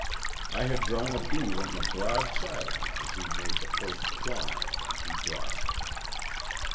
I had drawn a bead on the broad side of him as he made the first plunge, and he dropped.